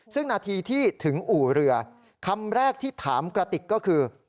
ซึ่งนาทีที่ถึงอู่เรือคำแรกที่ถามกระติกก็คือ